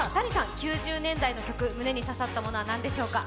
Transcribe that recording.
９０年代の曲、胸に刺さったものは何でしょうか？